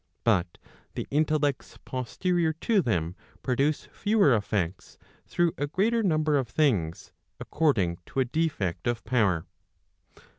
But the intellects posterior to them produce fewer effects through a greater number of things, according to a defect of power.